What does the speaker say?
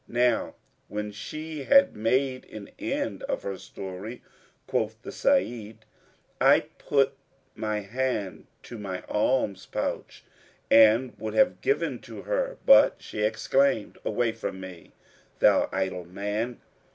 Now when she had made an end of her story (quoth the Sayyid), I put my hand to my alms pouch and would have given to her, but she exclaimed, "Away from me, thou idle man!